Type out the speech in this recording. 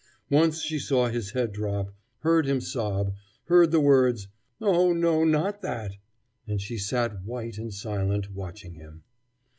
Once she saw his head drop, heard him sob, heard the words: "Oh, no, not that"; and she sat, white and silent, watching him.